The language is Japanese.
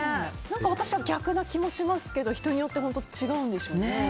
私は逆な気もしますけど人によって違うんでしょうね。